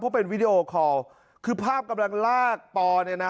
เพราะเป็นวิดีโอคอลคือภาพกำลังลากปอเนี่ยนะ